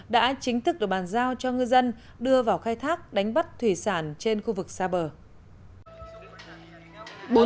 đã chính thức được bàn giao cho ngư dân đưa vào khai thác đánh bắt thủy sản trên khu vực xa bờ